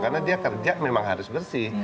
karena dia kerja memang harus bersih